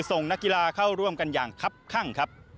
ส่งนักกีฬาเข้าร่วมกันอย่างคับข้างครับ